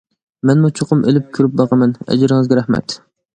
مەنمۇ چوقۇم ئېلىپ كۆرۈپ باقىمەن. ئەجرىڭىزگە رەھمەت.